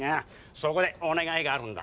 そこでお願いがあるんだ。